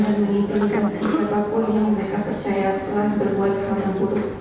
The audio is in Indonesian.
dan mengintimidasi siapapun yang mereka percaya telah berbuat hal yang buruk